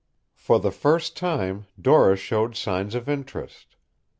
For the first time Dora showed signs of interest.